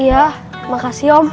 iya makasih om